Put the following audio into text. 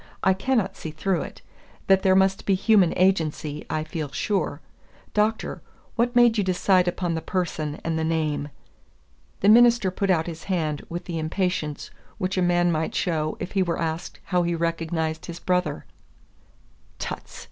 I cannot see through it. That there must be human agency, I feel sure. Doctor, what made you decide upon the person and the name?" The minister put out his hand with the impatience which a man might show if he were asked how he recognized his brother. "Tuts!"